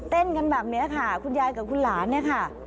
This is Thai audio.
เต้นกันแบบนี้ค่ะคุณยายกับคุณหลานเนี่ยค่ะ